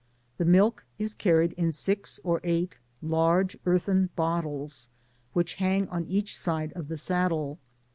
The milk is carrieiMii six or eight large earthen bottles, which hang on each side of the saddle.